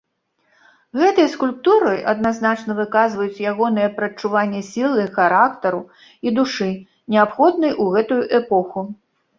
Гэтыя скульптуры адназначна выказваюць ягонае прадчуванне сілы характару і душы, неабходнай у гэтую эпоху.